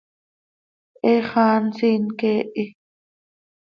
He xaa nsiin quee hi.